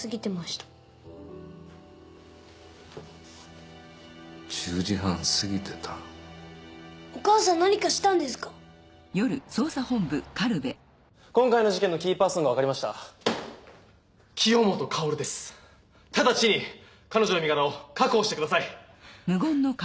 ただちに彼女の身柄を確保してください。